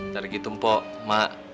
tidak gitu mpok mak